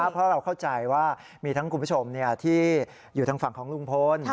เพราะเราเข้าใจว่ามีทั้งคุณผู้ชมที่อยู่ทางฝั่งของลุงพล